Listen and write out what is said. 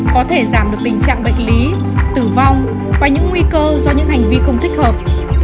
có thể giảm được tình trạng bệnh lý tử vong và những nguy cơ do những hành vi không thích hợp